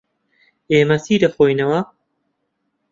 ئێمە چی دەخۆینەوە؟